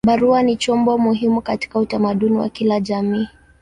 Barua ni chombo muhimu katika utamaduni wa kila jamii.